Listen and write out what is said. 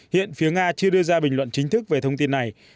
hiện phía nga chưa đưa ra bình luận chính thức về thông tin này